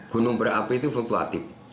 gunung berapi itu fluktuatif